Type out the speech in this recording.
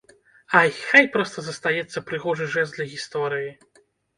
Ай, хай проста застанецца прыгожы жэст для гісторыі.